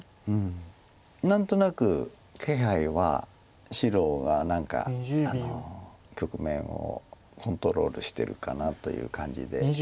何となく気配は白が何か局面をコントロールしてるかなという感じで。